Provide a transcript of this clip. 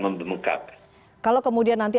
membenungkan kalau kemudian nanti